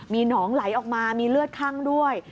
มีหนองไหลออกมามีเลือดคั่งด้วย